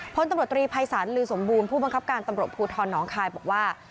พลตำรวจตรีภัยศาลลือสมบูรณ์ผู้บังคับการตำรวจภูทรหนองคายบอกว่า